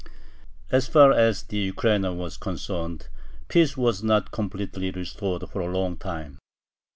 As far as the Ukraina was concerned, peace was not completely restored for a long time.